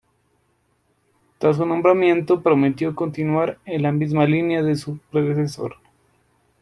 Tras su nombramiento, prometió continuar en la misma línea que su predecesor.